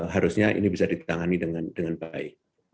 harusnya ini bisa ditangani dengan baik